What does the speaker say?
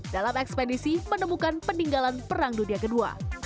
dalam ekspedisi menemukan peninggalan perang dunia ii